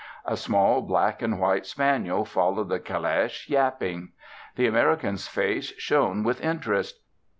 A small black and white spaniel followed the caleche, yapping. The American's face shone with interest.